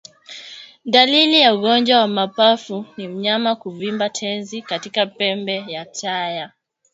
Dalili ya ugonjwa wa mapafu ni mnyama kuvimba tezi katika pembe ya taya